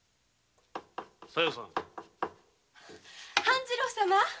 半次郎様？